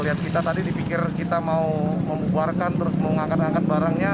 lihat kita tadi dipikir kita mau membuarkan terus mau ngangkat ngangkat barangnya